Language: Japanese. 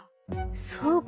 そうか。